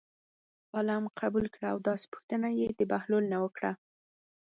عالم قبول کړه او داسې پوښتنه یې د بهلول نه وکړه.